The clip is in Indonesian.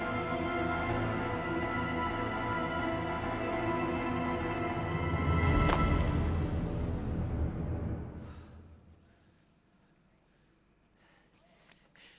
apa yang lu jajak